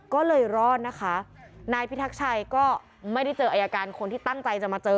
ก็เลยรอดนะคะนายพิทักชัยก็ไม่ได้เจออายการคนที่ตั้งใจจะมาเจอ